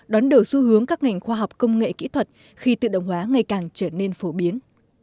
đón đầu xu hướng các ngành khoa học công nghệ kỹ thuật khi tự động hóa ngày càng trở nên phổ biến